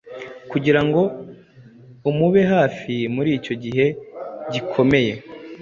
kugira ngo amube hafi muri icyo gihe gikomeye.